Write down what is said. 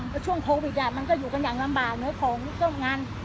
เพราะช่วงโควิดมันก็อยู่กันอย่างลำบากเนอะของเจ้างาน